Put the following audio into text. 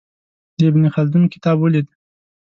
د ابن خلدون کتاب ولید.